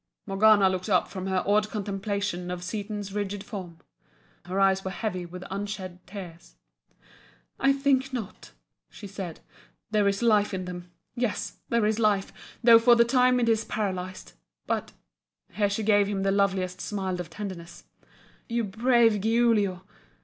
Morgana looked up from her awed contemplation of Seaton's rigid form. Her eyes were heavy with unshed tears. "I think not," she said "There is life in them yes, there is life, though for the time it is paralysed. But" here she gave him the loveliest smile of tenderness "You brave Giulio!